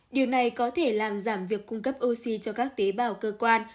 điều này có thể làm giảm việc cung cấp oxy cho các tế bào cơ quan